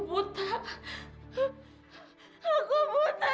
biar aku buka